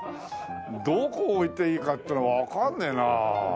どこに置いていいかっていうのわかんねえな。